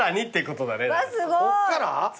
こっから？